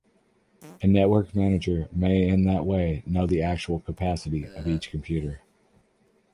A network manager may in that way know the actual capacity of each computer.